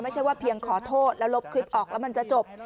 ไม่ใช่ว่าเพียงขอโทษแล้วลบคลิปออกแล้วมันจะจบ